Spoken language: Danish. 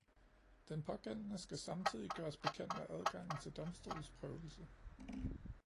Den pågældende skal samtidig gøres bekendt med adgangen til domstolsprøvelse